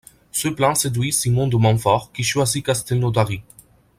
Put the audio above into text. Ce plan séduit Simon de Montfort qui choisit Castelnaudary.